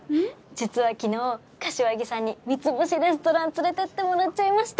実は昨日柏木さんに三ツ星レストラン連れてってもらっちゃいました！